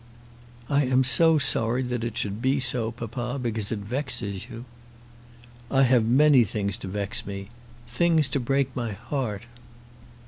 "I am so sorry that it should be so, papa, because it vexes you." "I have many things to vex me; things to break my heart."